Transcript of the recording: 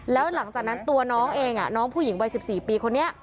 แล้วหลังจากนั้นตัวน้องเองน้องผู้หญิงวัย๑๔ปีคนนี้